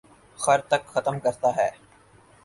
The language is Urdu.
خر تک ختم کرتا ہے